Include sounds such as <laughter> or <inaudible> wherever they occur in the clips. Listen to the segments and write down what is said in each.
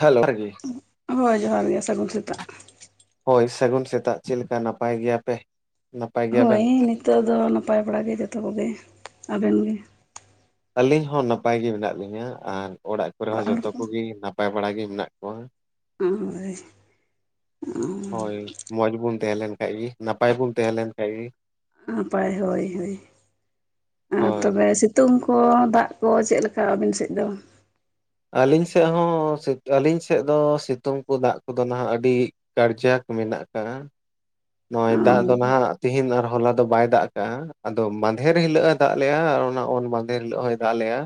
Hello ᱦᱳᱭ ᱡᱚᱦᱟᱨ ᱜᱮ ᱥᱟᱹᱜᱩᱱ ᱥᱮᱛᱟᱜ ᱦᱚᱭ ᱥᱟᱹᱜᱩᱱ ᱥᱮᱛᱟᱜ ᱪᱮᱫ ᱞᱮᱠᱟ ᱱᱟᱯᱟᱭ ᱜᱮᱭᱟ ᱯᱮ? ᱱᱟᱯᱟᱭ ᱜᱮᱭᱟᱵᱮᱱ? ᱦᱳᱭ ᱱᱤᱛᱚᱜ ᱫᱚ ᱱᱟᱯᱟᱭ ᱵᱟᱲᱟᱜ ᱜᱮ ᱡᱚᱛᱚ ᱠᱚᱜᱮ! ᱟᱵᱮᱱ ᱜᱮ? ᱟᱹᱞᱤᱧ ᱦᱚᱸ ᱱᱟᱯᱟᱭ ᱜᱮ ᱢᱮᱱᱟᱜ ᱞᱤᱧᱟᱹ ᱟᱨ ᱚᱲᱟᱜ ᱠᱚᱨᱮ ᱦᱚᱸ ᱦᱚᱲ ᱡᱚᱛᱚ ᱠᱚ ᱠᱚᱜᱮ ᱱᱟᱯᱟᱭ ᱵᱟᱲᱟ ᱜᱮ ᱢᱮᱱᱟᱜ ᱠᱚᱣᱟ ᱦᱳᱭ ᱦᱳᱭ ᱢᱚᱡᱽ ᱵᱩᱱ ᱛᱟᱦᱮᱸ ᱞᱮᱱ ᱠᱷᱟᱡ ᱜᱮ ᱱᱟᱯᱟᱭ ᱵᱚᱱ ᱛᱟᱦᱮᱸ ᱞᱮᱱ ᱠᱷᱟᱡ ᱜᱮ ᱱᱟᱯᱟᱭ ᱦᱳᱭ ᱦᱳ ᱟᱨ ᱦᱳᱭ ᱛᱚᱵᱮ ᱥᱤᱛᱩᱝ ᱠᱚ ᱫᱟᱜ ᱠᱚ ᱪᱮᱫ ᱞᱮᱠᱟ ᱟᱹᱵᱤᱱ ᱥᱮᱫ ᱫᱚ? ᱟᱞᱤᱝ ᱥᱮᱫ ᱦᱚᱸ ᱟᱹᱞᱤᱝ ᱥᱮᱫ ᱫᱚ ᱥᱤᱛᱩᱝ ᱠᱚ ᱫᱟᱜ ᱠᱚᱫᱚ ᱱᱟᱦᱟᱜ ᱟᱹᱰᱤ ᱠᱟᱨᱡᱟᱠ ᱢᱮᱱᱟᱜ ᱟᱠᱟᱫᱟ᱾ ᱦᱮ ᱱᱚᱜᱼᱚᱭ ᱫᱟᱜ ᱫᱚ ᱱᱟᱦᱟᱜ ᱛᱤᱦᱤᱧ ᱟᱨ ᱦᱚᱞᱟ ᱫᱚ ᱵᱟᱭ ᱫᱟᱜ ᱠᱟᱜᱼᱟ ᱟᱫᱚ ᱢᱟᱫᱷᱮᱨ ᱦᱤᱞᱟᱹᱜᱼᱟ ᱫᱟᱜ ᱞᱮᱼᱟ᱾ ᱚᱱᱟ ᱚᱱ ᱢᱟᱫᱷᱮᱨ ᱦᱤᱞᱳᱜ ᱦᱚᱭ ᱫᱟᱜ ᱞᱮᱭᱟ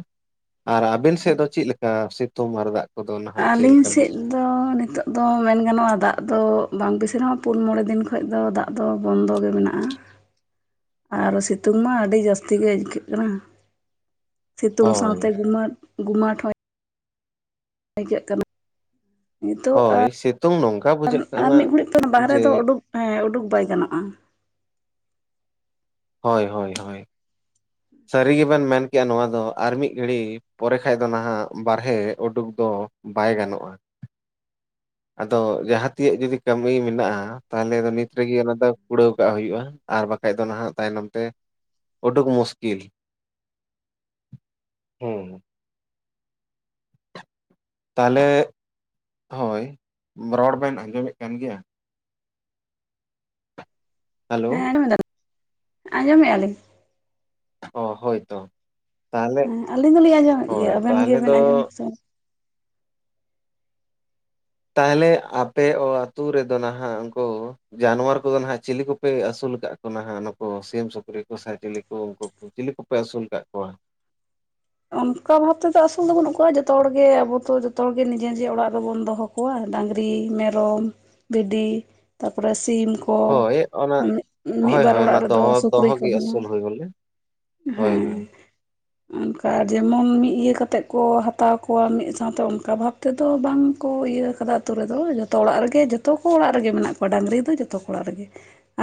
ᱟᱨ ᱟᱵᱮᱱ ᱥᱮᱫ ᱫᱚ ᱪᱮᱫ ᱞᱮᱠᱟ ᱥᱤᱛᱩᱝ ᱟᱨ ᱫᱟᱜ ᱠᱚᱫᱚ ᱱᱟᱦᱟᱜ ᱪᱮᱫ ᱟᱹᱞᱤᱧ ᱞᱮᱠᱟ? ᱥᱮᱫ ᱫᱚ ᱱᱤᱛᱚᱜ ᱫᱚ ᱢᱮᱱ ᱜᱟᱱᱚᱜᱼᱟ ᱫᱟᱜ ᱫᱚ ᱵᱟᱝ ᱵᱮᱥᱤ ᱥᱮᱱ ᱯᱩᱱ ᱢᱚᱬᱮ ᱫᱤᱱ ᱠᱷᱚᱱ ᱫᱚ ᱫᱟᱜ ᱫᱚ ᱵᱚᱱᱫᱚ ᱜᱮ ᱢᱮᱱᱟᱜᱼᱟ᱾ ᱟᱨ ᱥᱤᱛᱩᱝ ᱢᱟ ᱟᱹᱰᱤ ᱡᱟᱹᱥᱛᱤ ᱜᱮ ᱟᱹᱭᱠᱟᱹᱜ ᱠᱟᱱᱟ᱾ ᱥᱤᱛᱩᱝ ᱦᱳᱭ ᱥᱟᱶᱛᱮ ᱜᱩᱢᱟᱹᱴ ᱜᱩᱢᱟᱴ ᱦᱚᱭ ᱟᱹᱭᱠᱟᱹᱜ ᱠᱟᱱᱟ ᱱᱤᱛᱳᱜ ᱦᱳᱭ ᱥᱤᱛᱩᱝ ᱱᱚᱝᱠᱟ ᱵᱩᱡᱷᱟᱹᱜ ᱟᱨ ᱠᱟᱱᱟ ᱢᱤᱫ ᱜᱷᱟᱹᱲᱤᱡ ᱠᱷᱚᱱ ᱵᱟᱦᱨᱮ ᱡᱮ ᱫᱚ ᱩᱰᱩᱠ ᱦᱚ ᱩᱰᱩᱠ ᱵᱟᱭ ᱜᱟᱱᱚᱜᱼᱟ᱾ <inaudible> ᱦᱳᱭ ᱦᱳᱭ ᱦᱳᱭ ᱥᱟᱹᱨᱤ ᱜᱮᱵᱮᱱ ᱢᱮᱱ ᱠᱮᱜᱼᱟ ᱱᱚᱣᱟ ᱫᱚ ᱟᱨ ᱢᱤᱫ ᱜᱷᱟᱹᱲᱤ ᱯᱚᱨᱮ ᱠᱷᱟᱱ ᱫᱚ ᱱᱟᱦᱟᱜ ᱵᱟᱨᱦᱮ ᱩᱰᱩᱠ ᱫᱚ ᱵᱟᱭ ᱜᱟᱱᱚᱜᱼᱟ᱾ ᱟᱫᱚ ᱡᱟᱦᱟᱸ ᱛᱤᱭᱟᱜ ᱡᱩᱫᱤ ᱠᱟᱹᱢᱤ ᱢᱮᱱᱟᱜᱼᱟ ᱛᱟᱦᱚᱞᱮ ᱱᱤᱛ ᱨᱮᱜᱮ ᱚᱱᱟ ᱫᱚ ᱠᱩᱲᱟᱹᱣ ᱠᱟᱜ ᱦᱩᱭᱩᱜᱼᱟ ᱟᱨ ᱵᱟᱠᱷᱟᱡ ᱫᱚ ᱱᱟᱦᱟᱜ ᱛᱟᱭᱱᱚᱢ ᱛᱮ ᱩᱰᱩᱠ ᱢᱩᱥᱼᱼ ᱞᱤᱞ ᱦᱩᱸ ᱛᱟᱦᱚᱞᱮ ᱦᱳᱭ ᱨᱚᱲ ᱵᱮᱱ ᱟᱸᱡᱚᱢᱮᱫ ᱠᱟᱱ ᱜᱮᱭᱟ? ᱦᱮᱞᱳ ᱦᱮᱸ ᱟᱸᱡᱚᱢ ᱫᱟᱞᱤᱧ ᱟᱸᱡᱚᱢᱮᱫᱼᱟ ᱞᱤᱧ ᱚ ᱦᱳᱭ ᱛᱚ ᱛᱟᱦᱚᱞᱮ ᱦᱮᱸ ᱟᱹᱞᱤᱧ ᱫᱚᱞᱤᱧ ᱟᱸᱡᱚᱢᱮᱫ ᱦᱳᱭ ᱜᱮᱭᱟ ᱟᱵᱮᱱ ᱛᱟᱦᱞᱮ ᱜᱮᱵᱮᱱ ᱫᱚ ᱟᱸᱡᱚᱢ ᱥᱮ ᱛᱟᱦᱚᱞᱮ ᱟᱯᱮ ᱚ ᱟᱹᱛᱩ ᱨᱮᱫᱚ ᱱᱟᱦᱟᱜ ᱩᱱᱠᱩ ᱡᱟᱱᱣᱟᱨ ᱠᱚᱫᱚ ᱱᱟᱦᱟᱜ ᱪᱤᱞᱤ ᱠᱚᱯᱮ ᱟᱹᱥᱩᱞ ᱟᱹᱥᱩᱞ ᱠᱟᱜ ᱠᱚᱣᱟ ᱱᱟᱦᱟᱜ ᱱᱩᱠᱩ ᱥᱤᱢ ᱥᱩᱠᱨᱤ ᱠᱚ ᱥᱮ ᱪᱤᱞᱤ ᱠᱚ ᱩᱱᱠᱩ ᱪᱤᱞᱤ ᱠᱚᱯᱮ ᱟᱹᱥᱩᱞ ᱠᱟᱜ ᱠᱚᱣᱟ <inaudible> ᱚᱱᱠᱟ ᱵᱷᱟᱵᱛᱮᱫᱚ ᱟᱹᱥᱩᱞ ᱫᱚ ᱵᱟᱹᱱᱩᱜ ᱠᱚᱣᱟ ᱡᱚᱛᱚ ᱦᱚᱲᱜᱮ ᱟᱵᱚ ᱛᱚ ᱡᱚᱛᱚ ᱜᱮ ᱱᱤᱡᱮ ᱱᱤᱡᱮ ᱚᱲᱟᱜ ᱨᱮᱵᱚᱱ ᱫᱚᱦᱚ ᱠᱚᱣᱟ᱾ ᱰᱟᱹᱝᱨᱤ, ᱢᱮᱨᱚᱢ, ᱵᱷᱤᱰᱤ, ᱛᱟᱯᱚᱨᱮ ᱥᱤᱢ ᱠᱚ ᱦᱳᱭ ᱚᱱᱟ ᱢᱮᱫ ᱢᱤᱫ ᱦᱳᱭ ᱵᱟᱨ ᱦᱳᱭ ᱚᱱᱟ ᱚᱲᱟᱜ ᱨᱮᱫᱚ ᱫᱚᱦᱚ ᱥᱩᱠᱨᱤ ᱫᱚᱦᱚ ᱜᱮ ᱠᱚᱦᱚᱸ ᱟᱹᱥᱩᱞ ᱦᱩᱭ ᱵᱚᱞᱮ ᱦᱳᱭ ᱦᱮᱸ ᱦᱳᱭ <unintelligible> ᱡᱮᱢᱚᱱ ᱢᱤᱫ ᱤᱭᱟᱹ ᱠᱟᱛᱮᱫ ᱠᱚ ᱦᱟᱛᱟᱣ ᱠᱚᱣᱟ ᱢᱤᱫ ᱥᱟᱶᱛᱮ ᱚᱱᱠᱟ ᱵᱷᱟᱵᱽ ᱛᱮᱫᱚ ᱵᱟᱝ ᱠᱚ ᱤᱭᱟᱹ <unintelligible> ᱟᱹᱛᱩ ᱨᱮᱫᱚ ᱡᱚᱛᱚ ᱚᱲᱟᱜ ᱨᱮᱜᱮ ᱡᱚᱛᱚ ᱠᱚ ᱚᱲᱟᱜ ᱨᱮᱜᱮ ᱢᱮᱱᱟᱜ ᱠᱚᱣᱟ ᱰᱟᱹᱟᱝᱨᱤ ᱫᱚ ᱡᱷᱚᱛᱚ ᱠᱚ ᱚᱲᱟᱜ ᱨᱮᱜᱮ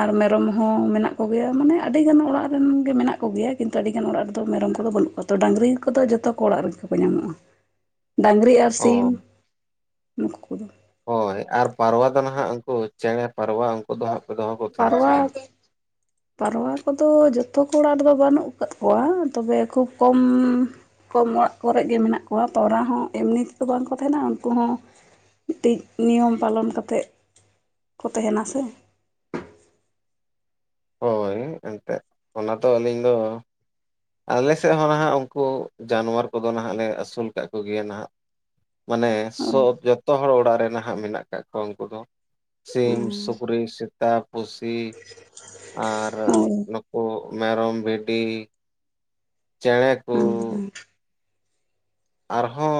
ᱟᱨ ᱢᱮᱨᱚᱢ ᱦᱚᱸ ᱦᱚᱸ ᱢᱮᱱᱟᱜ ᱠᱚᱜᱮᱭᱟ ᱢᱟᱱᱮ ᱟᱹᱰᱤ ᱜᱟᱱ ᱚᱲᱟᱜ ᱨᱮᱱ ᱜᱮ ᱢᱮᱱᱟᱜ ᱠᱚᱜᱮᱭᱟ ᱠᱤᱱᱛᱩ ᱟᱹᱰᱤ ᱜᱟᱱ ᱚᱲᱟᱜ ᱨᱮᱫᱚ ᱢᱮᱨᱚᱢ ᱠᱚᱫᱚ ᱵᱟᱹᱱᱩᱜ ᱟᱠᱟᱫ ᱠᱚᱣᱟ ᱰᱟᱹᱝᱨᱤ ᱠᱚᱫᱚ ᱡᱷᱚᱛᱚ ᱠᱚ ᱚᱲᱟᱜ ᱨᱮᱜᱮ ᱠᱚ ᱧᱟᱢᱚᱜᱼᱟ ᱾ ᱰᱟᱝᱨᱤ ᱟᱨ ᱚ ᱥᱤᱢ ᱱᱩᱠᱩ ᱠᱚᱫᱚ ᱦᱳᱭ ᱟᱨ ᱯᱟᱨᱣᱟ ᱫᱚ ᱱᱟᱦᱟᱜ ᱩᱱᱠᱩ ᱪᱮᱬᱮ ᱯᱟᱨᱣᱟ ᱩᱱᱠᱩ ᱫᱚ ᱦᱟᱸᱜ ᱯᱮ ᱫᱚᱦᱚ ᱠᱚ ᱛᱟᱦᱮᱱᱟ ᱥᱮ ᱯᱟᱨᱣᱟ ᱵᱟᱝ? ᱯᱟᱨᱣᱟ ᱠᱚᱫᱚ ᱡᱚᱛᱼᱼ ᱛᱚ ᱠᱚ ᱚᱲᱟᱜ ᱨᱮᱫᱚ ᱵᱟᱹᱱᱩᱜ ᱟᱠᱟᱫ ᱠᱚᱣᱟ ᱛᱚᱵᱮ ᱠᱷᱩᱵ ᱠᱚᱢ ᱠᱚᱢ ᱚᱲᱟᱜ ᱠᱚᱨᱮᱜ ᱜᱮ ᱢᱮᱱᱟᱜ ᱠᱚᱣᱟ ᱯᱟᱣᱨᱟ ᱦᱚᱸ ᱮᱢᱱᱤ ᱛᱮᱫᱚ ᱵᱟᱝᱠᱚ ᱛᱟᱦᱮᱱᱟ ᱩᱱᱠᱩ ᱦᱚᱸ ᱢᱤᱫᱴᱤᱡ ᱱᱤᱭᱚᱢ ᱯᱟᱞᱚᱱ ᱠᱟᱛᱮᱜ ᱠᱚ ᱛᱟᱸᱦᱮᱱᱟ ᱥᱮ ᱦᱳᱭ ᱮᱱᱛᱮᱫ ᱚᱱᱟ ᱛᱚ ᱟᱹᱞᱤᱧ ᱫᱚ ᱟᱞᱮ ᱥᱮᱫ ᱦᱚᱸ ᱱᱟᱦᱟᱸᱜ ᱩᱱᱠᱩ ᱡᱟᱱᱣᱟᱨ ᱠᱚᱫᱚ ᱱᱟᱦᱟᱸᱜ ᱞᱮ ᱟᱹᱥᱩᱞ ᱠᱟᱜ ᱠᱚᱜᱮᱭᱟ ᱱᱟᱦᱟᱸᱜ ᱢᱟᱱᱮ ᱦᱳᱭ ᱥᱚᱵ ᱡᱚᱛᱚ ᱦᱚᱲ ᱚᱲᱟᱜ ᱨᱮ ᱱᱟᱦᱟᱜ ᱢᱮᱱᱟᱜ ᱠᱟᱜ ᱠᱚᱣᱟ ᱩᱱᱠᱩ ᱫᱚ ᱥᱤᱢ ᱥᱩᱠᱨᱤ ᱥᱮᱛᱟ ᱯᱩᱥᱤ ᱟᱨ ᱱᱩᱠᱩ ᱢᱮᱨᱚᱢ ᱵᱷᱤᱰᱤ ᱪᱮᱬᱮ ᱠᱩ ᱟᱨᱦᱚᱸ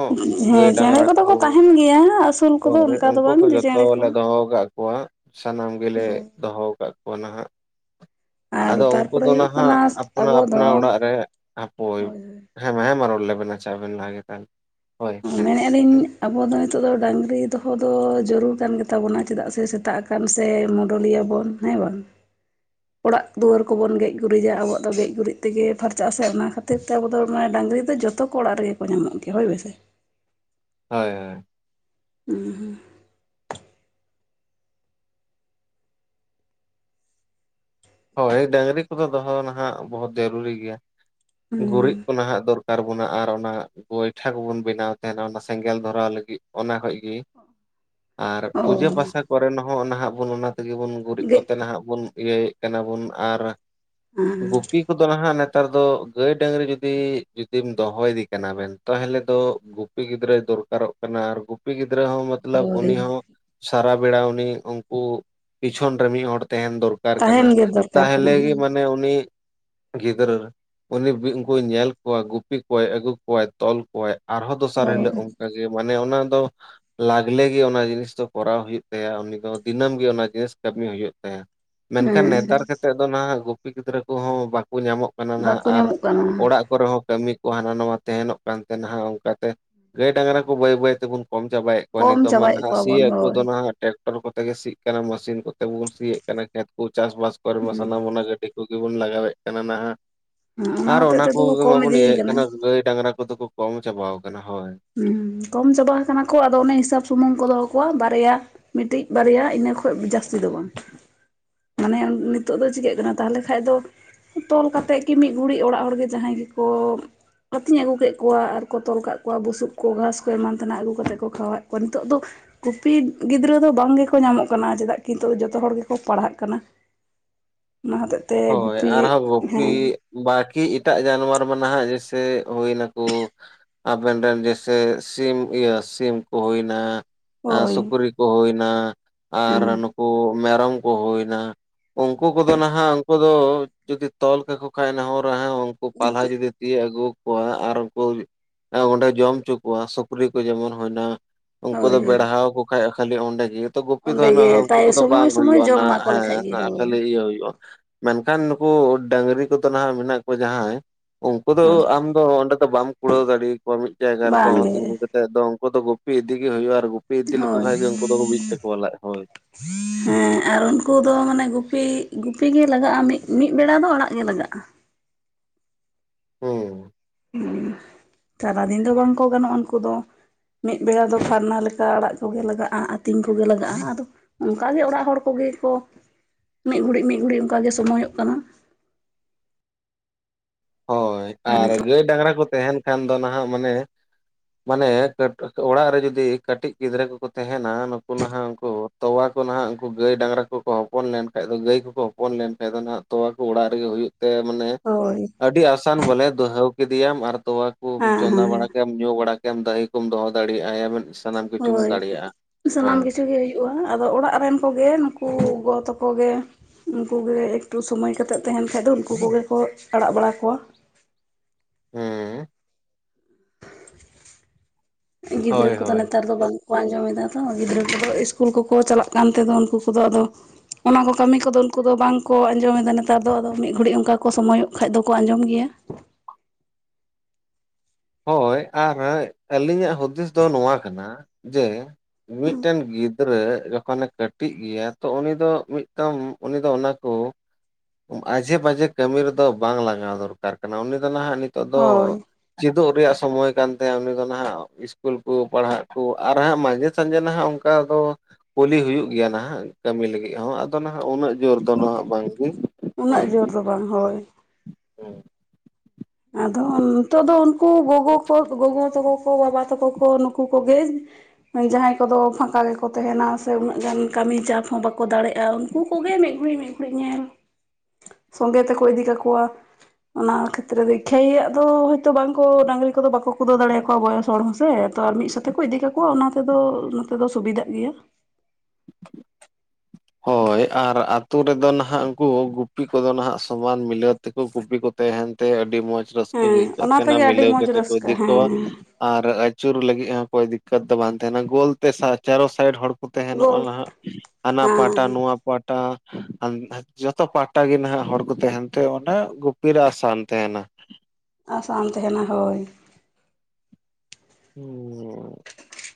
ᱜᱟᱹᱭ ᱦᱮᱸ ᱪᱮᱬᱮ ᱰᱟᱝᱨᱟ ᱠᱚᱫᱚ ᱠᱚ ᱛᱟᱦᱮᱱ ᱜᱮᱭᱟ ᱟᱹᱥᱩᱞ ᱠᱚᱫᱚ ᱛᱟᱦᱚᱞᱮ ᱚᱱᱠᱟ ᱫᱚ ᱩᱱᱠᱩ ᱵᱟᱝ ᱠᱚ ᱡᱮ ᱡᱷᱚᱛᱚ ᱪᱮᱬᱮ ᱠᱚ ᱞᱮ ᱫᱚᱦᱚᱠᱟᱫ ᱠᱚᱣᱟ ᱥᱟᱱᱟᱢ ᱜᱮᱞᱮ ᱫᱚᱦᱚ ᱟᱠᱟᱫ ᱠᱚᱣᱟ ᱱᱟᱦᱟᱜ ᱟᱨ ᱟᱫᱚ ᱩᱱᱠᱩ ᱛᱟᱨᱯᱚᱨᱮ ᱫᱚ ᱦᱩᱭᱩᱜ ᱠᱟᱱᱟ ᱱᱟᱦᱟᱜ ᱟᱯᱱᱟ ᱟᱵᱚ ᱫᱚ ᱟᱯᱱᱟ ᱚᱲᱟᱜ ᱦᱟᱯᱳᱭ ᱦᱳᱭ ᱦᱮᱸ ᱢᱟ ᱦᱮᱸ ᱢᱟ ᱨᱚᱲ ᱞᱮᱵᱮᱱ ᱟᱪᱷᱟ ᱟᱵᱮᱱ ᱞᱟᱦᱟ ᱜᱮ ᱦᱳᱭ ᱦᱮᱸ ᱢᱮᱱᱮᱫ ᱟᱞᱤᱧ ᱟᱵᱚ ᱫᱚ ᱱᱤᱛᱚᱜ ᱫᱚ ᱰᱟᱹᱝᱨᱤ ᱫᱚᱦᱚ ᱫᱚ ᱡᱟᱹᱨᱩᱲ ᱠᱟᱱ ᱜᱮᱛᱟᱵᱚᱱᱟ ᱪᱮᱫᱟᱜ ᱥᱮ ᱥᱮᱛᱟᱜ ᱟᱠᱟᱱ ᱥᱮ ᱢᱩᱰᱚᱞᱤᱭᱟᱹ ᱵᱚᱱ ᱦᱮᱸᱣᱟᱱ ᱚᱲᱟᱜ ᱫᱩᱣᱟᱹᱨ ᱠᱚᱵᱚᱱ ᱜᱮᱡ ᱜᱩᱨᱤᱡᱟ ᱟᱵᱚᱣᱟᱜ ᱫᱚ ᱜᱮᱡ ᱜᱩᱨᱤᱡ ᱛᱮᱜᱮ ᱯᱷᱟᱨᱪᱟᱜ ᱟᱥᱮ ᱚᱱᱟ ᱠᱷᱟᱹᱛᱤᱨ ᱛᱮ ᱟᱵᱚ ᱫᱚ ᱰᱟᱹᱝᱜᱨᱤ ᱫᱚ ᱡᱚᱛᱚ ᱠᱚ ᱚᱲᱟᱜ ᱨᱮᱜᱮ ᱠᱚ ᱧᱟᱢᱚᱜ ᱜᱮᱭᱟ ᱦᱳᱭ ᱵᱮᱥᱮ ᱦᱳᱭ ᱦᱳᱭ ᱦᱮᱸ ᱦᱮᱸ ᱦᱳᱭ ᱰᱟᱹᱝᱨᱤ ᱠᱚᱫᱚ ᱫᱚᱦᱚ ᱱᱟᱦᱟᱜ ᱵᱚᱦᱩᱛ ᱡᱟᱹᱨᱩᱨᱤ ᱜᱮᱭᱟ ᱜᱩᱨᱤᱡ ᱠᱚ ᱱᱟᱦᱟᱜ ᱫᱚᱨᱠᱟᱨ ᱛᱟᱨ ᱵᱚᱱᱟ ᱟᱨ ᱚᱱᱟ ᱜᱚᱭᱴᱷᱟ ᱠᱚᱵᱚᱱ ᱵᱮᱱᱟᱣ ᱛᱟᱦᱮᱱᱟ ᱚᱱᱟ ᱥᱮᱸᱜᱮᱞ ᱫᱷᱚᱨᱟᱣ ᱞᱟᱹᱜᱤᱫ ᱚᱱᱟ ᱠᱷᱚᱡ ᱜᱮ ᱟᱨ ᱯᱩᱡᱟᱹ ᱚ ᱯᱟᱥᱟ ᱠᱚᱨᱮ ᱦᱚᱸ ᱱᱟᱦᱟᱜ ᱵᱚᱱ ᱚᱱᱟ ᱛᱮᱜᱮ ᱵᱚᱱ ᱜᱩᱨᱤᱡ ᱜᱮ ᱠᱚᱛᱮ ᱱᱟᱦᱟᱜ ᱵᱚᱱ ᱤᱭᱟᱹᱭ ᱠᱟᱱᱟ ᱵᱚᱱ ᱟᱨ ᱜᱩᱯᱤ ᱠᱚᱫᱚ ᱱᱟᱦᱟᱜ ᱱᱮᱛᱟᱨ ᱫᱚ ᱜᱟᱹᱭ ᱰᱟᱹᱝᱨᱤ ᱡᱩᱫᱤ ᱡᱩᱫᱤᱢ ᱫᱚᱦᱚᱭᱤᱫᱤ ᱠᱟᱱᱟ ᱵᱮᱱ ᱛᱟᱦᱚᱞᱮ ᱫᱚ ᱜᱩᱯᱤ ᱜᱤᱫᱽᱨᱟᱹ ᱫᱚ ᱫᱚᱨᱠᱟᱨᱚᱜ ᱠᱟᱱᱟ ᱟᱨ ᱜᱩᱯᱤ ᱜᱤᱫᱽᱨᱟᱹ ᱜᱤᱫᱽᱨᱟᱹ ᱦᱚᱸ ᱢᱚᱛ ᱦᱳᱭ ᱩᱱᱤ ᱦᱚᱸ ᱥᱟᱨᱟ ᱵᱮᱲᱟ ᱩᱱᱤ ᱩᱱᱠᱩ ᱯᱤᱪᱷᱚᱱ ᱨᱮ ᱢᱤᱫ ᱦᱚᱲ ᱛᱟᱦᱮᱱ ᱫᱚᱨᱠᱟᱨ ᱠᱟᱱᱟ ᱛᱟᱦᱮᱱ ᱜᱮ ᱫᱚᱨᱠᱟᱨ ᱠᱟᱱᱟ ᱛᱟᱦᱚᱞᱮ ᱜᱮ ᱦᱮᱸ ᱢᱟᱱᱮ ᱩᱱᱤ ᱜᱤᱫᱽᱨᱟᱹ ᱩᱱᱤ ᱩᱱᱠᱩ ᱧᱮᱞ ᱠᱚᱣᱟ ᱜᱩᱯᱤ ᱠᱚᱣᱟᱭ ᱟᱹᱜᱩ ᱠᱚᱣᱟᱭ ᱛᱚᱞ ᱠᱚᱣᱟᱭ ᱟᱨᱦᱚᱸ ᱫᱚᱥᱟᱨ ᱦᱤᱞᱟᱹᱜ ᱚᱱᱠᱟ ᱜᱮ ᱢᱟᱱᱮ ᱚᱱᱟ ᱞᱟᱜᱽᱞᱮ ᱜᱮ ᱚᱱᱟ ᱡᱤᱱᱤᱥ ᱫᱚ ᱠᱚᱨᱟᱣ ᱦᱩᱭᱩᱜ ᱛᱟᱭᱟ ᱩᱱᱤ ᱫᱚ ᱫᱤᱱᱟᱹᱢ ᱜᱮ ᱚᱱᱟ ᱡᱤᱱᱤᱥ ᱠᱟᱹᱢᱤ ᱦᱩᱭᱩᱜ ᱛᱟᱭᱟ ᱢᱮᱱᱠᱷᱟᱱ ᱦᱮᱸ ᱱᱮᱛᱟᱨ ᱠᱟᱛᱮᱫ ᱫᱚ ᱱᱟᱦᱟᱜ ᱜᱩᱯᱤ ᱜᱤᱫᱽᱨᱟᱹ ᱠᱚᱦᱚᱸ ᱵᱟᱠᱚ ᱧᱟᱢᱚᱜ ᱠᱟᱱᱟ ᱱᱟᱦᱟᱜ ᱵᱟᱠᱚ ᱟᱨ ᱧᱟᱢᱚᱜ ᱠᱟᱱᱟ ᱚᱲᱟᱜ ᱠᱚᱨᱮ ᱦᱚᱸ ᱠᱟᱹᱢᱤ ᱠᱚ ᱦᱟᱱᱟ ᱱᱟᱭᱟ ᱛᱟᱦᱮᱱᱚᱜ ᱠᱟᱱ ᱛᱟᱦᱮᱱᱚᱜ ᱚᱱᱠᱟᱛᱮ ᱜᱟᱹᱭ ᱰᱟᱝᱨᱟ ᱠᱚ ᱵᱟᱹᱭ ᱵᱟᱹᱭ ᱛᱮᱵᱚᱱ ᱠᱚᱢ ᱪᱟᱵᱟᱭᱮᱫ ᱠᱚᱣᱟ ᱠᱚᱢ ᱱᱤᱛᱚᱜ ᱢᱟ ᱪᱟᱵᱟᱭᱮᱫ ᱱᱟᱦᱟᱜ ᱠᱚᱣᱟ ᱥᱤ ᱵᱚᱱ ᱦᱳᱭ ᱠᱚᱫᱚ ᱱᱟᱦᱟᱜ ᱴᱮᱠᱴᱚᱨ ᱠᱚᱛᱮ ᱜᱮ ᱥᱤᱜ ᱠᱟᱱᱟ ᱢᱮᱥᱤᱱ ᱠᱚ ᱛᱮᱵᱚᱱ ᱥᱤᱭᱮᱫ ᱠᱟᱱᱟ ᱠᱷᱮᱛ ᱠᱚ ᱪᱟᱥᱵᱟᱥ ᱠᱚᱨᱮ ᱢᱟ ᱥᱟᱱᱟᱢ ᱦᱮᱸ ᱜᱟᱹᱰᱤ ᱠᱚᱜᱮ ᱵᱚᱱ ᱞᱟᱜᱟᱣᱮᱫ ᱠᱟᱱᱟ ᱱᱟᱦᱟᱜ ᱟᱨ ᱦᱚᱛᱮᱡ ᱚᱱᱟ ᱛᱮᱫᱚ ᱠᱚ ᱠᱚᱜᱮ ᱠᱚᱢ ᱢᱟᱵᱚᱱ ᱤᱫᱤᱭ ᱤᱭᱟᱹᱭᱮᱫ ᱠᱟᱱᱟ ᱜᱟᱹᱭ ᱰᱟᱝᱨᱟ ᱠᱚᱫᱚ ᱠᱚ ᱠᱚᱢ ᱪᱟᱵᱟᱣ ᱠᱟᱱᱟ ᱦᱳᱭ ᱦᱮᱸ ᱠᱚᱢ ᱪᱟᱵᱟ ᱠᱟᱱᱟ ᱠᱚ ᱟᱫᱚ ᱚᱱᱮ ᱦᱤᱥᱟᱹᱵ ᱥᱩᱢᱩᱝ ᱠᱚ ᱫᱚᱦᱚ ᱠᱚᱣᱟ ᱵᱟᱨᱭᱟ ᱢᱤᱫᱴᱤᱡ ᱵᱟᱨᱭᱟ ᱤᱱᱟᱹ ᱠᱷᱚᱡ ᱡᱟᱹᱥᱛᱤ ᱫᱚ ᱵᱟᱝ ᱢᱟᱱᱮ ᱱᱤᱛᱚᱜ ᱫᱚ ᱪᱤᱠᱟᱹᱜ ᱠᱟᱱᱟ ᱛᱟᱦᱚᱞᱮ ᱠᱷᱟᱡ ᱫᱚ ᱛᱚᱞ ᱠᱟᱛᱮᱫ ᱜᱤ ᱢᱤᱫ ᱜᱷᱲᱤᱡ ᱚᱲᱟᱜ ᱦᱚᱲᱜᱮ ᱡᱟᱦᱟᱸᱭ ᱜᱮᱠᱚ ᱟᱹᱛᱤᱧ ᱟᱹᱜᱩ ᱠᱮᱫ ᱠᱚᱣᱟ ᱟᱨ ᱠᱚ ᱛᱚᱞ ᱠᱟᱜ ᱠᱚᱣᱟ ᱵᱩᱥᱩᱵ ᱠᱚ ᱜᱷᱟᱥ ᱠᱚ ᱮᱢᱟᱱ ᱛᱮᱱᱟᱜ ᱟᱹᱜᱩ ᱠᱟᱛᱮ ᱠᱚ ᱠᱷᱟᱣᱟᱣᱮᱫ ᱠᱚᱣᱟ ᱱᱤᱛᱚᱜ ᱫᱚ ᱜᱩᱯᱤ ᱜᱤᱫᱽᱨᱟᱹ ᱫᱚ ᱵᱟᱝ ᱜᱮᱠᱚ ᱧᱟᱢ ᱧᱟᱢᱚᱜ ᱠᱟᱱᱟ ᱪᱮᱫᱟᱜ ᱠᱤ ᱱᱤᱛᱚᱜ ᱡᱚᱛᱚ ᱦᱚᱲ ᱜᱮᱠᱚ ᱯᱟᱲᱦᱟᱜ ᱠᱟᱱᱟ <inaudible> ᱚᱱᱟ ᱦᱚᱛᱮᱡ ᱛᱮ ᱦᱳᱭ ᱜᱩᱯᱤ ᱟᱨᱦᱚᱸ ᱜᱩᱯᱤ ᱦᱮᱸ ᱵᱟᱠᱤ ᱮᱴᱟᱜ ᱡᱟᱱᱣᱟᱨ ᱢᱟ ᱱᱟᱦᱟᱜ ᱥᱮ ᱦᱩᱭᱱᱟᱠᱚ ᱟᱵᱮᱱ ᱨᱮᱱ ᱡᱮᱥᱮ ᱥᱤᱢ ᱤᱭᱟᱹ ᱥᱤᱢ ᱠᱚ ᱦᱩᱭᱱᱟ ᱦᱳᱭ ᱥᱩᱠᱨᱤ ᱠᱚ ᱦᱩᱭᱱᱟ ᱟᱨ ᱦᱮᱸ ᱱᱩᱠᱩ ᱢᱮᱨᱚᱢ ᱦᱩᱭᱱᱟ ᱩᱱᱠᱩ ᱠᱚᱫᱚ ᱱᱟᱦᱟᱜ ᱩᱱᱠᱩ ᱫᱚ ᱡᱩᱫᱤ ᱛᱚᱞ ᱠᱟᱠᱚ ᱠᱷᱟᱱ ᱨᱮᱦᱚᱸ ᱩᱱᱠᱩ ᱯᱟᱞᱦᱟ ᱡᱩᱫᱤ ᱛᱤᱭᱳᱜ ᱟᱹᱜᱩ ᱠᱚ ᱣᱟ ᱟᱨ ᱩᱱᱠᱩ ᱚᱸᱰᱮ ᱡᱚᱢ ᱦᱚᱪᱚ ᱠᱚᱣᱟ ᱥᱩᱠᱨᱤ ᱠᱚ ᱡᱮᱢᱚᱱ ᱦᱩᱭᱱᱟ ᱩᱱᱠᱩ ᱦᱳᱭ ᱫᱚ ᱦᱳᱭ ᱵᱮᱲᱦᱟᱣᱣᱟᱠᱚ ᱠᱷᱟᱡ ᱠᱷᱟᱹᱞᱤ ᱚᱸᱰᱮᱜᱮ ᱜᱩᱯᱤ ᱫᱚ ᱚᱸᱰᱮ ᱜᱮ ᱱᱟᱜ ᱩᱱᱠᱩ ᱛᱟᱭ ᱠᱚᱫᱚ ᱵᱟᱝ ᱥᱚᱢᱚᱭ ᱥᱚᱢᱚᱭ ᱦᱩᱭᱩᱜᱼᱟ ᱡᱚᱢ ᱱᱟ ᱮᱢᱟ ᱠᱚ ᱞᱮᱠᱷᱟᱡ ᱦᱮᱸ ᱜᱮ ᱦᱳᱭ ᱠᱷᱟᱹᱞᱤ ᱤᱭᱟᱹ ᱦᱩᱭᱩᱜᱼᱟ ᱢᱮᱱᱠᱷᱟᱱ ᱱᱩᱠᱩ ᱰᱟᱝᱨᱤ ᱠᱚᱫᱚ ᱱᱟᱦᱟᱜ ᱢᱮᱱᱟᱜ ᱠᱚᱣᱟ ᱡᱟᱦᱟᱸᱭ ᱩᱱᱠᱩ ᱫᱚ ᱦᱳᱭ ᱟᱢ ᱫᱚ ᱚᱸᱰᱮ ᱫᱚ ᱵᱟᱢ ᱠᱩᱲᱟᱹᱣ ᱫᱟᱲᱮ ᱟᱠᱠᱚᱣᱟ ᱢᱤᱫ ᱡᱟᱭᱜᱟ ᱨᱮᱫᱚ ᱵᱟᱝᱜᱮ ᱛᱤᱜᱩ ᱠᱟᱛᱮᱫ ᱫᱚ ᱩᱱᱠᱩ ᱫᱚ ᱜᱩᱯᱤ ᱤᱫᱤᱜ ᱜᱮ ᱦᱩᱭᱩᱜᱼᱟ ᱟᱨ ᱜᱩᱯᱤ ᱤᱫᱤ ᱞᱮᱠᱚ ᱦᱳᱭ ᱠᱷᱟᱱ ᱜᱮ ᱩᱱᱠᱩ ᱫᱚ ᱵᱤᱜᱛᱟᱠᱚᱣᱟ ᱞᱟᱡ ᱦᱳᱭ ᱦᱮᱸ ᱟᱨ ᱩᱱᱠᱩ ᱫᱚ ᱢᱟᱱᱮ ᱜᱩᱯᱤ ᱜᱩᱯᱤ ᱜᱮ ᱞᱟᱜᱟᱜᱼᱟ ᱢᱤᱫ ᱵᱮᱲᱟ ᱫᱚ ᱟᱲᱟᱜ ᱜᱮ ᱞᱟᱜᱟᱜᱼᱟ ᱦᱮᱸ ᱥᱟᱨᱟᱫᱤᱱ ᱫᱚ ᱵᱟᱝᱠᱚ ᱜᱟᱱᱚᱜᱼᱟ ᱩᱱᱠᱩ ᱫᱚ ᱢᱤᱫ ᱵᱮᱲᱟ ᱫᱚ ᱯᱷᱟᱨᱱᱟ ᱞᱮᱠᱟ ᱟᱲᱟᱜ ᱠᱚᱜᱮ ᱞᱟᱜᱟᱜᱼᱟ ᱟᱹᱛᱤᱧ ᱠᱚᱜᱮ ᱞᱟᱜᱟᱜᱼᱟ ᱟᱫᱚ ᱚᱱᱠᱟᱜᱮ ᱚᱲᱟᱜ ᱦᱚᱲ ᱠᱚ ᱜᱮ ᱠᱚ ᱢᱤᱫ ᱜᱷᱩᱲᱤᱡ ᱢᱤᱫ ᱜᱷᱩᱲᱤᱡ ᱚᱱᱠᱟᱜ ᱜᱮ ᱥᱚᱢᱚᱭᱚᱜ ᱠᱟᱱᱟ <inaudible> ᱦᱳᱭ ᱟᱨ ᱜᱟᱹᱭ ᱰᱟᱝᱨᱟ ᱠᱚ ᱛᱟᱦᱮᱸᱱ ᱠᱷᱟᱱ ᱫᱚ ᱱᱟᱦᱟᱜ ᱢᱟᱱᱮ ᱢᱟᱱᱮ ᱚᱲᱟᱜ ᱨᱮ ᱡᱩᱫᱤ ᱠᱟᱹᱴᱤᱡ ᱜᱤᱫᱽᱨᱟᱹ ᱠᱚᱠᱚ ᱛᱟᱦᱮᱱᱟ ᱱᱩᱠᱩ ᱱᱟᱦᱟᱜ ᱩᱱᱠᱩ ᱛᱚᱣᱟ ᱠᱚ ᱱᱟᱦᱟᱜ ᱩᱱᱠᱩ ᱜᱟᱹᱭ ᱰᱟᱝᱨᱟ ᱠᱚᱠᱚ ᱦᱚᱯᱚᱱ ᱞᱮᱱᱠᱷᱟᱡ ᱫᱚ ᱜᱟᱹᱭ ᱠᱚᱠᱚ ᱦᱚᱯᱚᱱ ᱞᱮᱱᱠᱷᱟᱡ ᱫᱚ ᱱᱟᱦᱟᱜ ᱛᱚᱣᱟ ᱠᱚ ᱚᱲᱟᱜ ᱨᱮᱜᱮ ᱦᱩᱭᱩᱜᱼᱟ ᱛᱮ ᱢᱟᱱᱮ ᱦᱳᱭ ᱟᱹᱰᱤ ᱟᱥᱟᱱ ᱵᱚᱞᱮ ᱫᱚᱩᱦᱟᱹᱣ ᱠᱮᱫᱮᱟᱢ ᱟᱨ ᱛᱚᱣᱟ ᱠᱚᱢ ᱦᱮᱸ ᱪᱚᱸᱫᱟ ᱦᱮᱸ ᱵᱟᱲᱟ ᱠᱮᱫᱟᱢ ᱧᱩ ᱵᱟᱲᱟ ᱠᱮᱫᱟ᱾ ᱫᱟᱹᱤ ᱠᱚᱢ ᱫᱚᱦᱚ ᱫᱟᱲᱮᱭᱟᱜᱼᱟ᱾ ᱥᱟᱱᱟᱢ ᱠᱤᱪᱷᱩᱢ ᱦᱳᱭ! ᱫᱟᱲᱮᱭᱟᱜᱼᱟ ᱥᱟᱱᱟᱢ ᱦᱳᱭ ᱠᱤᱪᱷᱩ ᱜᱮ ᱦᱩᱭᱩᱜᱼᱟ ᱟᱫᱚ ᱚᱲᱟᱜ ᱨᱮᱱ ᱠᱚᱜᱮ ᱱᱩᱠᱩ ᱜᱚ ᱛᱚᱠᱚ ᱠᱚ ᱜᱮᱮ ᱩᱱᱠᱩ ᱜᱮᱮ ᱮᱠᱴᱩ ᱥᱚᱢᱚᱭ ᱠᱟᱛᱮᱫ ᱛᱟᱦᱮᱱ ᱠᱷᱟᱡ ᱫᱚ ᱩᱱᱠᱩ ᱠᱚᱜᱮ ᱠᱚ ᱟᱲᱟᱜ ᱵᱟᱲᱟ ᱠᱚᱣᱟ᱾ ᱦᱮᱸ ᱜᱤᱫᱽᱨᱟᱹ ᱦᱳᱭ ᱠᱚᱫᱚ ᱦᱳᱭ ᱱᱮᱛᱟᱨ ᱫᱚ ᱵᱟᱝ ᱠᱚ ᱟᱸᱡᱚᱢᱮᱫᱟ ᱛᱚ ᱜᱤᱫᱽᱨᱟᱹ ᱠᱚᱫᱚ ᱤᱥᱠᱩᱞ ᱠᱚᱠᱚ ᱪᱟᱞᱟᱜ ᱠᱟᱱ ᱛᱮᱫᱚ ᱩᱱᱠᱩ ᱠᱚᱫᱚᱫᱚ ᱚᱱᱟ ᱠᱚ ᱠᱟᱹᱢᱤ ᱠᱚᱫᱚ ᱩᱱᱠᱩ ᱫᱚ ᱵᱟᱝ ᱠᱚ ᱟᱸᱡᱚᱢᱮᱫᱟ ᱱᱮᱛᱟᱨ ᱫᱚ ᱟᱫᱚ ᱢᱤᱫ ᱜᱷᱟᱹᱲᱤᱡ ᱚᱱᱠᱟ ᱠᱚ ᱥᱚᱢᱚᱭᱚᱜ ᱠᱷᱟ ᱫᱚᱠᱚ ᱟᱸᱡᱚᱢ ᱜᱮᱭᱟ᱾ <inaudible> ᱦᱳᱭ ᱟᱨ ᱟᱹᱞᱤᱧᱟᱜ ᱦᱩᱫᱤᱥ ᱫᱚ ᱱᱚᱣᱟ ᱠᱟᱱᱟ ᱡᱮ ᱢᱤᱫᱴᱮᱱ ᱜᱤᱫᱽᱨᱟᱹ ᱡᱚᱠᱷᱚᱱᱮ ᱠᱟᱹᱴᱤᱡ ᱜᱮᱭᱟ ᱛᱚ ᱩᱱᱤ ᱫᱚ ᱢᱤᱫᱴᱟᱝ ᱩᱱᱤ ᱫᱚ ᱚᱱᱟᱠᱚ ᱢᱟᱡᱷᱮ-ᱵᱟᱡᱷᱮ ᱠᱟᱹᱢᱤ ᱨᱮᱫᱚ ᱵᱟᱝ ᱞᱟᱜᱟᱣ ᱫᱚᱨᱠᱟᱨ ᱠᱟᱱᱟ ᱩᱱᱤ ᱫᱚ ᱱᱟᱦᱟᱜ ᱱᱤᱛ ᱱᱤᱛᱚᱜ ᱫᱚ ᱦᱳᱭ ᱪᱮᱫᱚᱜ ᱨᱮᱭᱟᱜ ᱥᱚᱢᱚᱭ ᱠᱟᱱ ᱛᱟᱭᱟ ᱩᱱᱤ ᱫᱚ ᱱᱟᱦᱟᱜ ᱤᱥᱠᱩᱞ ᱠᱚ ᱯᱟᱲᱦᱟᱜ ᱠᱚ ᱟᱨ ᱦᱟᱸᱜ ᱢᱟᱡᱷᱮ ᱥᱟᱡᱮ ᱱᱟᱦᱟᱜ ᱚᱱᱠᱟ ᱚᱱᱠᱟ ᱫᱚ ᱠᱩᱞᱤ ᱦᱩᱭᱩᱜ ᱜᱮᱭᱟ, ᱱᱟᱦᱟᱜ ᱠᱟᱹᱢᱤ ᱞᱟᱹᱜᱤᱫ ᱦᱚᱸ ᱟᱫᱚ ᱱᱟᱦᱟᱜ ᱩᱱᱟᱹᱜ ᱡᱳᱨ ᱫᱚ ᱱᱟᱦᱟᱜ ᱵᱟᱝᱜᱮ ᱩᱱᱟᱹᱜ ᱡᱳᱨ ᱫᱚ ᱵᱟᱝ ᱦᱳᱭ ᱦᱮᱸ ᱟᱫᱚ ᱱᱤᱛᱚᱜ ᱫᱚ ᱩᱱᱠᱩ ᱜᱚᱜᱚ ᱠᱚ ᱜᱚᱜᱚ ᱛᱟᱠᱚ ᱠᱚ ᱵᱟᱵᱟ ᱛᱟᱠᱚ ᱠᱚ ᱱᱩᱠᱩ ᱠᱚᱜᱮ ᱡᱟᱦᱟᱸᱭ ᱠᱚᱫᱚ ᱯᱷᱟᱸᱠᱟ ᱜᱮᱠᱚ ᱛᱟᱦᱮᱱᱟ ᱥᱮ ᱩᱱᱟᱹᱜ ᱜᱟᱱ ᱠᱟᱹᱢᱤ ᱪᱟᱯ ᱦᱚᱸ ᱵᱟᱠᱚ ᱫᱟᱲᱮᱭᱟᱜᱼᱟ᱾ ᱩᱱᱠᱩ ᱠᱚᱜᱮ ᱢᱤᱫ ᱜᱷᱲᱤ ᱢᱤᱫ ᱜᱷᱲᱤᱡ ᱧᱮᱞ᱾ ᱥᱚᱸᱜᱮ ᱛᱮᱠᱚ ᱤᱫᱤ ᱠᱟᱠᱚᱣᱟ ᱚᱱᱟ ᱠᱷᱟᱹᱛᱤᱨ ᱨᱮᱫᱚ ᱤᱠᱷᱟᱭᱟᱜ ᱫᱚ ᱦᱚᱭᱛᱚ ᱵᱟᱝᱠᱚ ᱰᱟᱝᱝᱨᱤ ᱠᱚᱫᱚ ᱵᱟᱠᱚ ᱠᱩᱫᱟᱹ ᱫᱟᱲᱮᱭᱟᱠᱚᱣᱟ ᱵᱚᱭᱚᱥ ᱦᱚᱲ ᱦᱚᱸ ᱥᱮ ᱛᱚ ᱟᱨ ᱢᱤᱫ ᱥᱟᱛᱮ ᱠᱚ ᱤᱫᱤ ᱠᱟᱠᱚᱣᱟ ᱚᱱᱟ ᱛᱮᱫᱚ ᱱᱚᱛᱮ ᱫᱚ ᱥᱩᱵᱤᱫᱷᱟᱜ ᱜᱮᱭᱟ᱾ <inaudible> ᱦᱳᱭ ᱟᱨ ᱟᱛᱳ ᱨᱮᱫᱚ ᱱᱟᱦᱟᱜ ᱩᱱᱠᱩ ᱜᱩᱯᱤ ᱠᱚᱫᱚ ᱱᱟᱦᱟᱜ ᱥᱚᱢᱟᱱ ᱢᱤᱞᱟᱹᱣ ᱛᱮᱠᱚ ᱜᱩᱯᱤ ᱠᱚ ᱛᱟᱦᱮᱱ ᱛᱮ ᱟᱹᱰᱤ ᱢᱚᱸᱡᱽ ᱨᱟᱹᱥᱠᱟᱹ ᱜᱮ ᱦᱮᱸ ᱟᱹᱭᱠᱟᱹᱜ ᱚᱱᱟ ᱛᱟᱦᱮᱱᱟ ᱛᱮᱜᱮ ᱟᱹᱰᱤ ᱢᱤᱞᱟᱹᱣ ᱢᱚᱸᱡᱽ ᱠᱟᱛᱮ ᱠᱚ ᱨᱟᱹᱥᱠᱟᱹ ᱤᱫᱤ ᱠᱚᱣᱟ ᱦᱮᱸ ᱟᱨ ᱟᱫᱩ ᱟᱪᱩᱨ ᱞᱟᱹᱜᱤᱫ ᱦᱚᱸ ᱚᱠᱚᱭ ᱫᱤᱠᱠᱚᱛ ᱫᱚ ᱵᱟᱝ ᱛᱟᱦᱮᱱᱟ ᱜᱳᱞᱛᱮ ᱪᱟᱨᱚ ᱥᱟᱭᱤᱰ ᱦᱚᱲ ᱠᱚ ᱜᱳᱞ ᱛᱟᱦᱮᱱᱚᱜᱼᱟ᱾ ᱦᱟᱱᱦᱟ ᱯᱟᱦᱴᱟ ᱦᱮᱸ ᱱᱚᱣᱟ ᱯᱟᱦᱴᱟ᱾ ᱡᱚᱛᱚ ᱯᱟᱦᱴᱟ ᱜᱮ ᱱᱟᱦᱟᱜ ᱦᱚᱲ ᱠᱚ ᱛᱟᱦᱮᱱ ᱛᱮ ᱚᱰᱮ ᱜᱩᱯᱤᱨᱟᱜ ᱥᱟᱱ ᱛᱟᱦᱮᱱᱟ ᱟᱥᱟᱱ ᱛᱟᱦᱮᱱᱟ ᱦᱳᱭ᱾ ᱦᱮᱸ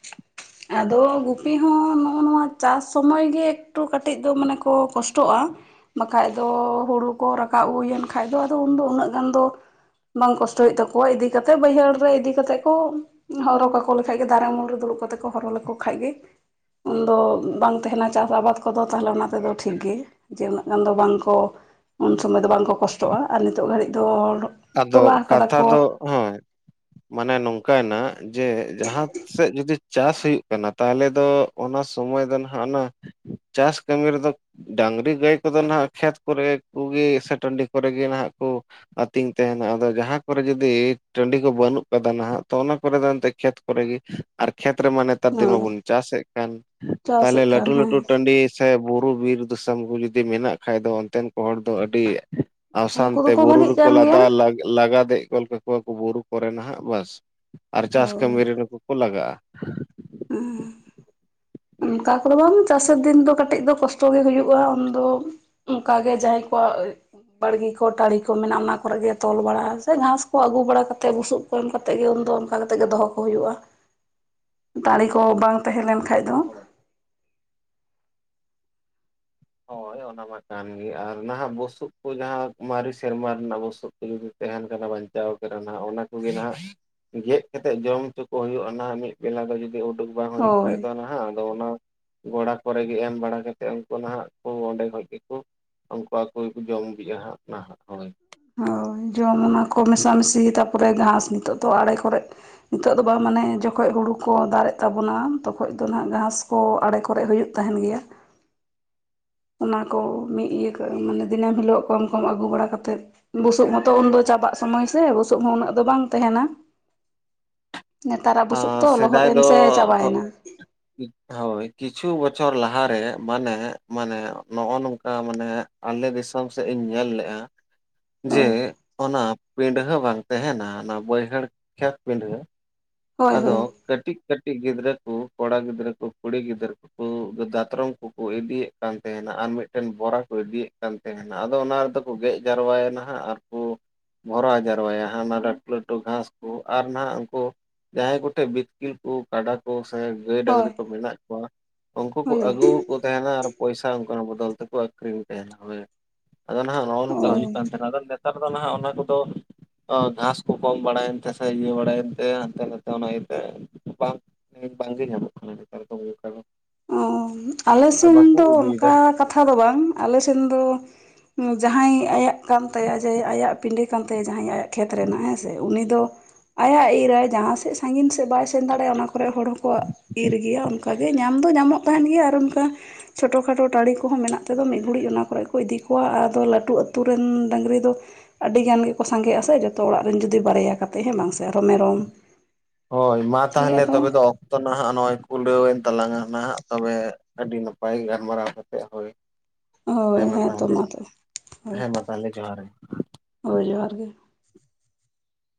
ᱟᱫᱚ ᱜᱩᱯᱤ ᱦᱚᱸ ᱱᱚᱜᱼᱚ ᱱᱚᱣᱟ ᱪᱟᱥ ᱥᱚᱢᱚᱭ ᱜᱮ ᱮᱠᱴᱩ ᱠᱟᱹᱴᱤᱡ ᱫᱚ ᱢᱟᱱᱮ ᱠᱚ ᱠᱚᱥᱴᱚᱜᱼᱟ᱾ ᱵᱟᱠᱷᱟᱡ ᱫᱚ ᱦᱩᱲᱩ ᱠᱚ ᱨᱟᱠᱟᱵ ᱦᱩᱭᱮᱱ ᱠᱷᱟᱡ ᱫᱚ ᱟᱫᱚ ᱩᱱᱫᱚ ᱩᱱᱟᱹᱜ ᱜᱟᱱ ᱫᱚ ᱵᱟᱝ ᱠᱚᱥᱴᱚ ᱦᱩᱭᱩᱜ ᱛᱟᱠᱚᱣᱟ ᱤᱫᱤ ᱠᱟᱛᱮᱮᱫ ᱵᱟᱹᱭᱦᱟᱹᱲ ᱨᱮ ᱤᱫᱤ ᱠᱟᱛᱮᱮᱫ ᱠᱚ ᱦᱚᱨᱚᱜ ᱠᱟᱠᱚ ᱞᱮᱠᱷᱟᱡ ᱜᱮ ᱫᱟᱨᱮ ᱩᱢᱩᱞ ᱨᱮ ᱫᱩᱲᱩᱵ ᱠᱟᱛᱮᱜ ᱦᱚᱨᱚ ᱞᱮᱠᱷ ᱠᱷᱟᱭᱜᱮ ᱩᱱᱫᱚ ᱵᱟᱝ ᱛᱟᱦᱮᱱᱟ ᱪᱟᱥ ᱟᱵᱟᱫ ᱠᱚᱫᱚ ᱛᱟᱦᱞᱮ ᱚᱱᱟ ᱛᱮᱫᱚ ᱴᱷᱤᱠ ᱜᱮ ᱡᱮ ᱩᱱᱟᱹᱜ ᱜᱟᱱ ᱫᱚ ᱵᱟᱝᱠᱚ ᱩᱱ ᱥᱚᱢᱚᱭ ᱫᱚ ᱵᱟᱝ ᱠᱚ ᱠᱚᱥᱴᱚᱜᱼᱟ ᱟᱨ ᱱᱤᱛᱚᱜ ᱜᱷᱟᱹᱲᱤᱡ ᱫᱚ ᱟᱫᱚ ᱛᱚᱞᱟ ᱠᱟᱫᱟ ᱠᱟᱛᱷᱟ ᱠᱚ ᱫᱚ ᱦᱳᱭ ᱢᱟᱱᱮ ᱱᱚᱝᱠᱟᱭᱮᱱᱟ ᱡᱮ ᱡᱟᱦᱟᱸ ᱥᱮᱫ ᱡᱩᱫᱤ ᱪᱟᱥ ᱦᱩᱭᱩᱜ ᱠᱟᱱᱟ ᱛᱟᱦᱚᱞᱮ ᱫᱚ ᱚᱱᱟ ᱥᱚᱢᱚᱭ ᱫᱚ ᱱᱟᱟᱜ ᱚᱱᱟ ᱪᱟᱥ ᱠᱟᱹᱢᱤ ᱨᱮᱫᱚ ᱰᱟᱝᱨᱤ ᱜᱟᱹᱭ ᱠᱚᱫᱚ ᱦᱟᱜ ᱠᱷᱮᱛ ᱠᱚᱨᱮ ᱠᱚᱜᱮ ᱥᱮ ᱴᱟᱺᱰᱤ ᱠᱚᱨᱮ ᱜᱮ ᱱᱟᱦᱟᱜ ᱠᱚ ᱛᱤᱧ ᱛᱟᱦᱮᱱᱟ ᱟᱫᱚ ᱡᱟᱦᱟᱸ ᱠᱚᱨᱮ ᱡᱩᱫᱤ ᱴᱟᱺᱰᱤ ᱠᱚ ᱵᱟᱹᱱᱩᱜ ᱠᱟᱫᱟ ᱱᱟᱦᱟᱜ ᱛᱚ ᱚᱱᱟ ᱠᱚᱨᱮ ᱫᱚ ᱮᱱᱛᱮᱫ ᱠᱷᱮᱛ ᱠᱚᱨᱮ ᱜᱮ ᱟᱨ ᱠᱷᱮᱛ ᱨᱮᱢᱟ ᱱᱮᱛᱟᱨ ᱫᱤᱱ ᱦᱮᱸ ᱢᱟᱵᱚᱱ ᱪᱟᱥᱮᱫ ᱠᱟᱱ ᱛᱟᱦᱚᱞᱮ ᱪᱟᱥᱮᱫ ᱠᱟᱱ ᱞᱴᱩ ᱦᱮᱸ ᱞᱟᱴᱩ ᱴᱟᱺᱰᱤ ᱥᱮ ᱵᱩᱨᱩ ᱵᱤᱨ ᱫᱤᱥᱚᱢ ᱠᱚ ᱡᱩᱫᱤ ᱡᱩᱤ ᱢᱮᱱᱟᱜ ᱠᱷᱟᱡ ᱫᱚ ᱚᱱᱛᱮᱱ ᱠᱚ ᱦᱚᱲ ᱫᱚ ᱟᱹᱰᱤ ᱟᱥᱟᱱ ᱩᱱᱠᱩ ᱛᱮ ᱫᱚᱠᱚ ᱵᱷᱟᱹᱜᱤᱜ ᱵᱩᱨᱩ ᱠᱟᱱ ᱜᱮᱭᱟ ᱞᱟᱫᱟ ᱞᱟᱜᱟᱫᱮᱜ ᱜᱚᱫ ᱠᱟᱠᱚᱣᱟ ᱵᱩᱨᱩ ᱠᱚᱨᱮ ᱱᱟᱦᱟᱜ ᱵᱟᱥ ᱟᱨ ᱪᱟᱥ ᱠᱟᱹᱢᱤ ᱨᱮ ᱱᱩᱠᱩ ᱠᱚ ᱞᱟᱜᱟᱜᱼᱟ᱾ ᱦᱮᱸ ᱚᱱᱠᱟ ᱠᱚᱫᱚ ᱵᱟᱝ ᱪᱟᱥᱮᱨ ᱫᱤᱱ ᱫᱚ ᱠᱟᱹᱴᱤᱡ ᱫᱚ ᱠᱚᱥᱴᱚ ᱜᱮ ᱦᱩᱭᱩᱜᱼᱟ ᱩᱱᱫᱚ ᱚᱱᱠᱟᱜᱮ ᱡᱟᱦᱟᱸᱟᱭ ᱯᱟᱭ ᱵᱟᱲᱜᱮ ᱠᱚ ᱛᱟᱲᱤ ᱠᱚ ᱢᱮᱱᱟᱜᱼᱟ ᱚᱱᱟ ᱠᱚᱨᱮ ᱜᱮ ᱛᱚᱞ ᱵᱟᱲᱟᱜ ᱥᱮ ᱜᱷᱟᱸᱥ ᱠᱚ ᱟᱹᱜᱩ ᱵᱟᱲᱟ ᱠᱟᱛᱮ ᱵᱩᱥᱩᱵ ᱠᱚ ᱮᱢ ᱠᱟᱛᱮᱜ ᱜᱮ ᱫᱚ ᱚᱱᱠᱟ ᱠᱟᱛᱮᱫ ᱜᱮ ᱫᱚᱦᱚ ᱠᱚ ᱦᱩᱭᱩᱜᱼᱟ <unintelligible> ᱦ ᱫᱟᱲᱮ ᱠᱚ ᱵᱟᱝ ᱛᱟᱦᱮᱸᱞᱮᱱ ᱠᱷᱟᱡ ᱫᱚ <inaudible> ᱦᱳᱭ ᱚᱱᱟ ᱢᱟ ᱠᱟᱱ ᱜᱮ ᱟᱨ ᱱᱟᱦᱟᱜ ᱵᱩᱥᱩᱵ ᱠᱚ ᱡᱟᱦᱟᱸ ᱢᱟᱨᱮ ᱥᱮᱨᱢᱟ ᱨᱮᱱᱟᱜ ᱵᱩᱥᱩᱵ ᱠᱚ ᱡᱩᱫᱤ ᱛᱟᱦᱮᱱ ᱠᱟᱱᱟ ᱵᱟᱧᱪᱟᱣ ᱠᱟᱱᱟ ᱚᱱᱟ ᱠᱚᱜᱮ ᱱᱟᱦᱟᱜ ᱜᱮᱫ ᱠᱟᱛᱮᱫ ᱡᱚᱢ ᱦᱚᱪᱚ ᱠᱚ ᱦᱩᱭᱩᱜᱼᱟ ᱚᱱᱟ ᱢᱤᱫ ᱵᱮᱞᱟ ᱫᱚ ᱡᱩᱫᱤ ᱩ ᱩᱰᱩᱠ ᱵᱟᱝ ᱦᱩᱭᱩᱜ ᱠᱷᱟ ᱦᱳᱭ ᱫᱚ ᱱᱟᱦᱟᱜ ᱟᱫᱚ ᱚᱱᱟ ᱜᱚᱲᱟ ᱠᱚᱨᱮ ᱜᱮ ᱮᱢ ᱵᱟᱲᱟᱛᱮᱫ ᱩᱱᱠᱩ ᱱᱟᱦᱟᱜ ᱚ ᱚᱸᱰᱮ ᱠᱷᱚᱡ ᱜᱮᱠᱚ ᱩᱱᱠᱩ ᱟᱠᱚ ᱠᱚᱠᱚ ᱡᱚᱢᱵᱤᱜᱼᱟ ᱦᱟᱸᱜ ᱱᱟᱦᱟᱜ ᱦᱳᱭ ᱦᱳᱭ ᱡᱚᱢ ᱚᱱᱟ ᱠᱚ ᱢᱮᱥᱟᱢᱤᱥᱤ ᱛᱟᱯᱚᱨᱮ ᱜᱷᱟᱥ ᱱᱤᱛᱚᱜ ᱫᱚ ᱟᱲᱮ ᱠᱚᱨᱮ ᱱᱤᱛᱚᱜ ᱫᱚ ᱵᱟᱢ ᱢᱟᱱᱮ ᱡᱚᱠᱷᱚᱡ ᱦᱩᱲᱩ ᱠᱚ ᱫᱟᱨᱮᱫ ᱛᱟᱵᱚᱱᱟ ᱛᱚᱠᱷᱚᱡ ᱫᱚ ᱱᱟᱦᱟᱜ ᱜᱷᱟᱥ ᱠᱚ ᱟᱲᱮ ᱠᱚᱨᱮᱜ ᱦᱩᱭᱩᱜ ᱛᱟᱦᱮᱱ ᱜᱮᱭᱟ ᱚᱱᱟ ᱠᱚ ᱢᱤᱫ ᱤᱭᱟᱹ ᱠᱟᱜᱼᱟ ᱢᱟᱱᱮ ᱫᱤᱱᱟᱹᱢ ᱦᱤᱞᱳᱜ ᱠᱚᱢ ᱠᱚᱢ ᱟᱹᱜᱩ ᱵᱟᱲᱟ ᱠᱟᱛᱮᱫ ᱵᱩᱥᱩᱵ ᱦᱚᱸᱛᱚ ᱩᱱᱫᱚ ᱪᱚ ᱪᱟᱵᱟᱜ ᱥᱚᱢᱚᱭ ᱥᱮ ᱵᱩᱥᱩᱵ ᱦᱚᱸ ᱩᱱᱟᱹᱜ ᱫᱚ ᱵᱟᱝ ᱛᱟᱦᱮᱱᱟ ᱱᱮᱛᱟᱨᱟᱜ ᱵᱩᱥᱩᱵ ᱟ ᱛᱚ ᱞᱚᱦᱚᱫ ᱥᱮᱫᱟᱭ ᱮᱱ ᱫᱚ ᱥᱮ <unintelligible> ᱪᱟᱵᱟᱭᱮᱱᱟ ᱦᱳᱭ ᱠᱤᱪᱷᱩ ᱵᱚᱪᱷᱚᱨ ᱞᱟᱦᱟᱨᱮ ᱢᱟᱱᱮ ᱢᱟᱱᱮ ᱱᱚᱜᱼᱚ ᱱᱚᱝᱠᱟ ᱢᱟᱱᱮ ᱟᱞᱮ ᱫᱤᱥᱚᱢ ᱥᱮᱫ ᱤᱧ ᱧᱮᱞ ᱞᱮᱜᱼᱟ ᱡᱮ ᱦᱳᱭ ᱚᱱᱟ ᱯᱤᱰᱷᱟᱹ ᱵᱟᱝ ᱛᱟᱦᱮᱱᱟ ᱚᱱᱟ ᱵᱟᱹᱭᱦᱟᱹᱲ ᱠᱷᱮᱛ ᱯᱤᱰᱷᱟᱹ ᱦᱳᱭ ᱟᱫᱚ ᱦᱳᱭ ᱠᱟᱹᱴᱤᱡ ᱠᱟᱹᱴᱤᱡ ᱜᱤᱫᱽᱨᱟᱹ ᱠᱚ ᱠᱚᱲᱟ ᱜᱤᱫᱽᱨᱟᱹ ᱠᱚ ᱠᱩᱲᱤ ᱜᱤᱫᱽᱨᱟᱹ ᱠᱚ ᱫᱟᱛᱨᱚᱢ ᱠᱚᱠᱚ ᱤᱫᱤᱭᱮᱫ ᱠᱟᱱ ᱛᱟᱦᱮᱱᱟ ᱟᱨ ᱢᱤᱫᱴᱮᱱ ᱵᱚᱨᱟ ᱤᱫᱤᱭᱮᱫ ᱠᱟᱱ ᱛᱟᱦᱮᱱᱟ ᱟᱫᱚ ᱚᱱᱟ ᱨᱮᱫᱚ ᱠᱚ ᱜᱮᱫ ᱡᱟᱨᱣᱟᱭᱮᱱᱟ ᱦᱟᱸᱜ ᱟᱨᱠᱚ ᱵᱷᱚᱨᱟᱣ ᱡᱟᱣᱨᱟᱭᱟ ᱦᱟᱸᱜ ᱚᱱᱟ ᱞᱟᱹᱴᱩ ᱞᱟᱹᱴᱩ ᱜᱷᱟᱥ ᱠᱚ ᱟᱨ ᱱᱟᱜ ᱩᱱᱠᱩ ᱡᱟᱦᱟᱸᱭ ᱠᱚᱴᱷᱮᱡᱽ ᱵᱤᱛᱠᱤᱞ ᱠᱚ ᱠᱟᱰᱟ ᱠᱚ ᱜᱟᱹᱭ ᱰᱟᱝᱨᱤ ᱠᱚ ᱢᱮᱱᱟᱜ ᱠᱚᱣᱟ ᱩᱱᱠᱩ ᱠᱚ ᱦᱳᱭ ᱦᱳᱭ ᱟᱹᱜᱩᱠᱚ ᱛᱟᱦᱮᱱᱟ ᱟᱨ ᱯᱚᱭᱥᱟ ᱚᱱᱟ ᱵᱚᱫᱚᱞ ᱛᱮᱠᱚ ᱟᱠᱷᱨᱤᱧ ᱛᱟᱦᱮᱱᱟ ᱟᱫᱚ ᱱᱟᱦᱟᱜ ᱱᱚᱜᱼᱚ ᱱᱚᱝᱠᱟ ᱚ ᱦᱩᱭᱩᱜ ᱠᱟᱱ ᱛᱟᱦᱮᱱᱟ ᱟᱫᱚ ᱱᱮᱛᱟᱨ ᱫᱚ ᱱᱟᱦᱟᱜ ᱚᱱᱟ ᱠᱚᱫᱚ ᱟ ᱜᱷᱟᱥ ᱠᱚ ᱠᱚᱢ ᱵᱟᱲᱟᱭᱮᱱ ᱛᱮ ᱥᱮ ᱤᱭᱟᱹ ᱵᱟᱲᱟᱭᱮᱱᱛᱮ ᱮ ᱦᱟᱱᱛᱮ ᱱᱟᱛᱮ ᱚᱱᱟ ᱤᱭᱟᱹᱛᱮ ᱵᱟᱝ ᱵᱟᱝᱜᱮ ᱧᱟᱢᱚᱜ ᱠᱟᱱᱟ ᱱᱮᱛᱟᱨ ᱫᱚ ᱚᱱᱠᱟ ᱫᱚ ᱚ ᱟᱞᱮ ᱟᱨ ᱥᱮᱱ ᱵᱟᱠᱚ ᱫᱚ ᱤᱫᱤᱭᱮᱫᱟ ᱚᱱᱠᱟ ᱠᱟᱛᱷᱟ ᱫᱚ ᱵᱟᱝ ᱟᱞᱮ ᱥᱮᱱ ᱫᱚ ᱦᱩᱸ ᱡᱟᱦᱟᱸᱭ ᱟᱭᱟᱜ ᱠᱟᱱ ᱛᱟᱭᱟ ᱡᱮ ᱟᱭᱟᱜ ᱯᱤᱰᱟᱹ ᱠᱟᱱ ᱛᱟᱭᱟ ᱛᱮ ᱡᱟᱦᱟᱸᱭᱟᱜ ᱠᱷᱮᱛ ᱨᱮᱱᱟᱜ ᱦᱮᱸ ᱥᱮ ᱩᱱᱤ ᱫᱚ ᱟᱭᱟᱜ ᱤᱨ ᱟᱭ ᱡᱟᱦᱟᱸ ᱥᱮᱫ ᱥᱟᱺᱜᱤᱧ ᱥᱮᱫ ᱵᱟᱭ ᱥᱮᱱ ᱫᱟᱲᱮᱭᱟᱜᱼᱟ ᱚᱱᱟ ᱠᱚᱨᱮᱜ ᱦᱚᱲ ᱦᱚᱸᱠᱚ ᱤᱨ ᱜᱮᱭᱟ ᱚᱱᱠᱟ ᱜᱮ ᱧᱮ ᱧᱟᱢ ᱫᱚ ᱧᱟᱢᱚᱜ ᱛᱟᱦᱮᱱ ᱜᱮᱭᱟ ᱟᱨ ᱚᱱᱠᱟ ᱪᱷᱚᱴᱚ ᱠᱷᱟᱴᱚ ᱴᱟᱹᱰᱤ ᱠᱚᱦᱚᱸ ᱢᱮᱱᱟᱜ ᱛᱮᱫᱚ ᱢᱤᱫ ᱜᱷᱩᱲᱤᱡ ᱚᱱᱟ ᱠᱚᱨᱮ ᱠᱚ ᱤᱫᱤ ᱠᱚᱣᱟ ᱟᱨ ᱟᱫᱚ ᱞᱟᱹᱴᱩ ᱟᱹᱛᱩ ᱨᱮᱱ ᱰᱟᱹᱝᱨᱤ ᱫᱚ ᱟᱹᱰᱤ ᱜᱟᱱ ᱜᱮᱠᱚ ᱥᱟᱸᱜᱮᱜᱼᱟ ᱥᱮ ᱡᱚᱛᱚ ᱚᱲᱟᱜ ᱨᱮᱱ ᱡᱩᱫᱤ ᱵᱟᱨᱭᱟ ᱠᱟᱛᱮ ᱦᱮᱸ ᱞᱟᱝ ᱥᱮ ᱟᱨᱚ ᱢᱮᱨᱚᱢ ᱦᱳᱭ ᱢᱟ ᱛᱟᱦᱚᱞᱮ ᱛᱚᱵᱮ ᱫᱚ ᱚᱠᱛᱚ ᱱᱟᱦᱟᱜ ᱱᱚᱜᱼᱚᱭ ᱠᱩᱞᱟᱹᱣᱮᱱ ᱛᱟᱞᱟᱝᱟ ᱱᱟᱦᱟᱜ ᱛᱚᱵᱮ ᱟᱹᱰᱤ ᱱᱟᱯᱟᱭ ᱜᱟᱞᱢᱟᱨᱟᱣ ᱠᱟᱛᱮᱫ ᱦᱳᱭ ᱦᱳᱭ ᱦᱮᱸ ᱢᱟ ᱛᱚ ᱛᱟᱦᱚᱞᱮ ᱛᱚᱵᱮ ᱦᱳᱭ ᱦᱮᱸ ᱢᱟ ᱛᱟᱦᱚᱞᱮ ᱡᱚᱦᱟᱨ ᱜᱮ ᱦᱳᱭ ᱡᱚᱦᱟᱨ ᱜᱮ